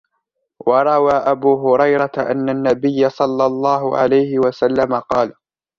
وَرَوَى أَبُو هُرَيْرَةَ أَنَّ النَّبِيَّ صَلَّى اللَّهُ عَلَيْهِ وَسَلَّمَ قَالَ